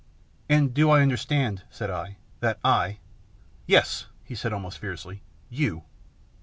" And do I understand," said I, " that I ?"" Yes," he said, almost fiercely. " You.